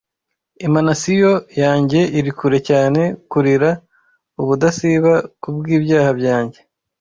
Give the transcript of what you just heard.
Emanasiyo yanjye iri kure cyane kurira ubudasiba kubwibyaha byanjye